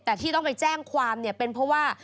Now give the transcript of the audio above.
แต่ที่ต้องไปแจ้งความเนี่ยเป็นเพราะว่า